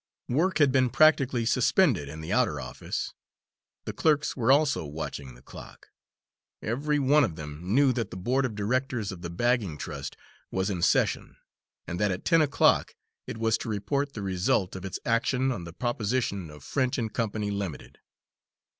Work had been practically suspended in the outer office. The clerks were also watching the clock. Every one of them knew that the board of directors of the bagging trust was in session, and that at ten o'clock it was to report the result of its action on the proposition of French and Company, Limited.